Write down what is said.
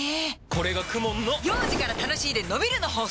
これがＫＵＭＯＮの幼児から楽しいでのびるの法則！